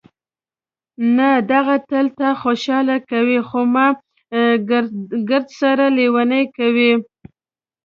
نه، دغه تل تا خوشحاله کوي، خو ما ګردسره لېونۍ کوي.